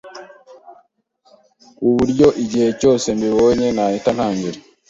ku buryo igihe cyose mbibonye nahita ntangira